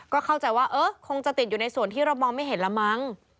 ก็เข้าใจว่าเออคงจะติดอยู่ในส่วนที่เรามองไม่เห็นแล้วมั้ง